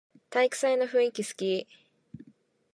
体育祭の雰囲気すき